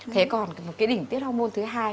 thế còn cái đỉnh tiết hormôn thứ hai